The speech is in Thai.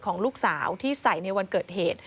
ของลูกสาวที่ใส่ในวันเกิดเหตุ